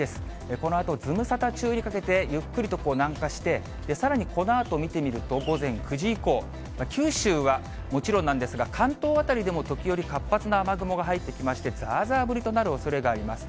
このあと、ズムサタ中にかけて、ゆっくりと南下して、さらにこのあと見てみると、午前９時以降、九州はもちろんなんですが、関東辺りでも、時折活発な雨雲が入ってきまして、ざーざー降りとなるおそれがあります。